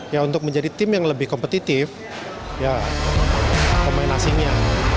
ya untuk menjadi tim yang lebih kompetitif ya pemain asingnya